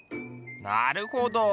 なるほど。